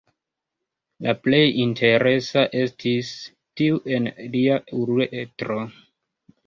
La plej interesa estis tiu en lia uretro.